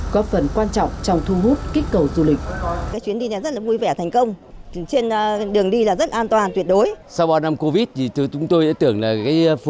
có phần quan trọng trong thu hút kích cầu du lịch